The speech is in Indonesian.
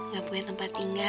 gak punya tempat tinggal